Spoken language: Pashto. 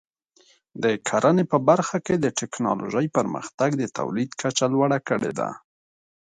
د کرنې په برخه کې د ټکنالوژۍ پرمختګ د تولید کچه لوړه کړې ده.